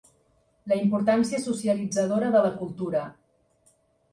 La importància socialitzadora de la cultura.